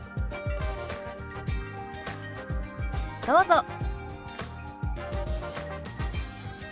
どうぞ。